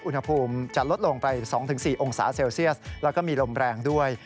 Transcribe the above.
อุณหภูมิจะลดลงไป๒๔องศาเซลเซียสแล้วก็มีลมแรงด้วย